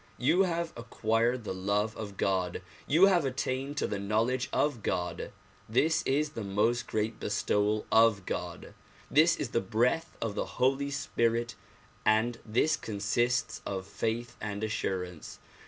You have acquired the love of God. You have attained to the knowledge of God. This is the most great bestowal of God. This is the breath of the Holy Spirit and this consists of faith and assurance.